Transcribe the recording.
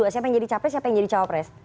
siapa yang jadi capres siapa yang jadi cawapres